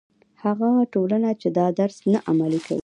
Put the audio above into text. هغه ټولنې چې دا درس نه عملي کوي.